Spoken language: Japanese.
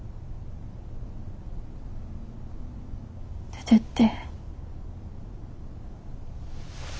出てって。